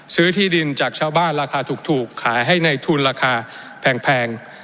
ที่ดินจากชาวบ้านราคาถูกขายให้ในทุนราคาแพง